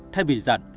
thay vì giận